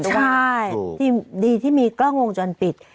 ใช่ดีที่มีกล้องวงจรปิด